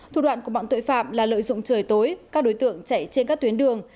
thủ đoạn của bọn tội phạm là lợi dụng trời tối các đối tượng chạy trên các tuyến đường